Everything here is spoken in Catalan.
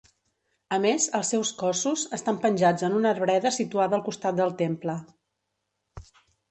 A més, els seus cossos, estan penjats en una arbreda situada al costat del temple.